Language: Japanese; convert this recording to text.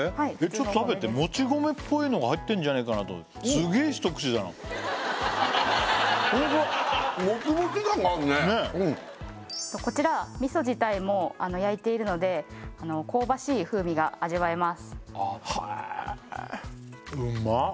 ちょっと食べてはいもち米っぽいのが入ってんじゃないかなと本当だこちら味噌自体も焼いているので香ばしい風味が味わえますへえうまっ！